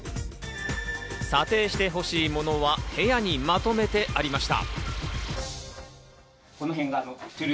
査定してほしいものは部屋にまとめてありました。